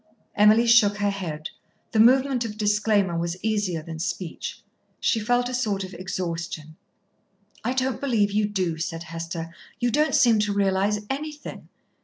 Emily shook her head. The movement of disclaimer was easier than speech. She felt a sort of exhaustion. "I don't believe you do," said Hester. "You don't seem to realise anything.